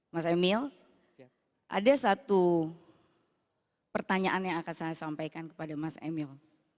mas emil ada satu pertanyaan yang akan saya sampaikan kepada mas emil